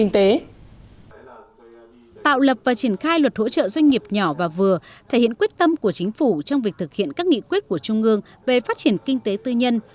tạo lập và triển khai luật hỗ trợ doanh nghiệp nhỏ và vừa thể hiện quyết tâm của chính phủ trong việc thực hiện các nghị quyết của trung ương về phát triển kinh tế tư nhân